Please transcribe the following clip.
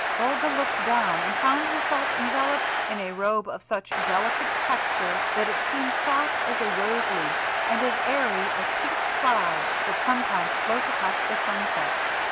Olga looked down and found herself enveloped in a robe of such delicate texture, that it seemed soft as a rose leaf and as airy as pink clouds that sometimes float across the sunset.